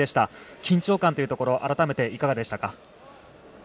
緊張感というところ改めていかがでしたか？